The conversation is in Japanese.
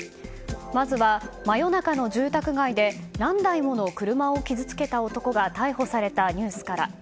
まずは、真夜中の住宅街で何台もの車を傷つけた男が逮捕されたニュースから。